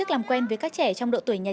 có ai muốn nghe chuyện giơ tay lên nào